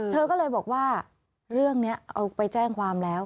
เธอก็เลยบอกว่าเรื่องนี้เอาไปแจ้งความแล้ว